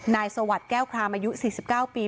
สวัสดิ์แก้วครามอายุ๔๙ปี